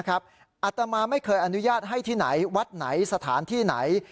อัตมาไม่เคยอนุญาตให้ที่ไหนวัดไหนสถานที่ไหน